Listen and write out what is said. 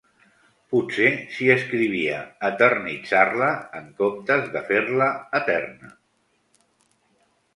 Potser si escrivia eternitzar-la en comptes de fer-la eterna...